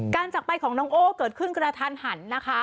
จากไปของน้องโอ้เกิดขึ้นกระทันหันนะคะ